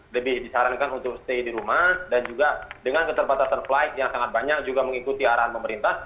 lebih disarankan untuk stay di rumah dan juga dengan keterbatasan flight yang sangat banyak juga mengikuti arahan pemerintah